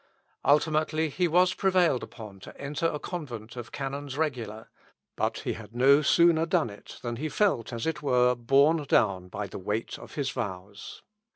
Ultimately he was prevailed upon to enter a convent of canons regular, but he had no sooner done it than he felt, as it were, borne down by the weight of his vows.